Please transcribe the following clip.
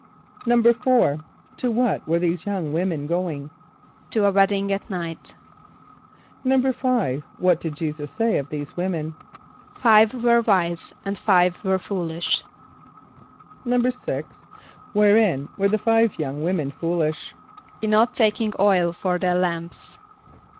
"= =4.= To what were these young women going? =To a wedding at night.= =5.= What did J[=e]´[s+]us say of these women? =Five were wise and five were foolish.= =6.= Wherein were the five young women foolish? =In not taking oil for their lamps.